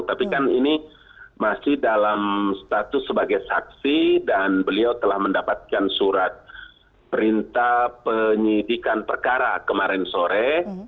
tapi kan ini masih dalam status sebagai saksi dan beliau telah mendapatkan surat perintah penyidikan perkara kemarin sore